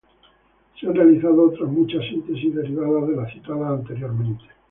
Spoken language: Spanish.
Se han realizado otras muchas síntesis derivadas de las citadas anteriormente.